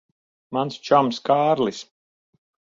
Mans čoms Kārlis.